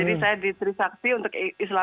nah di s satu s dua ya